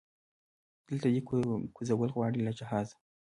دلته دی کوزول غواړي له جهازه